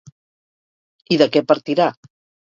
I de què partirà?